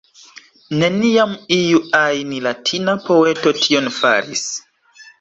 Neniam iu ajn Latina poeto tion faris!